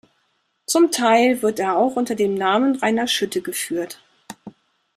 Zum Teil wird er auch unter dem Namen Rainer Schütte geführt.